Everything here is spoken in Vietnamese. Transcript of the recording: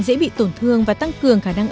dễ bị tổn thương và tăng cường khả năng